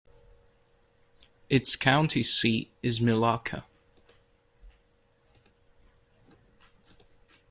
Its county seat is Milaca.